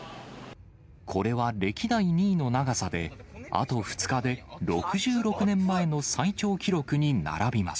これは歴代２位の長さで、あと２日で、６６年前の最長記録に並びます。